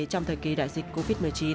trong thời kỳ đại dịch covid một mươi chín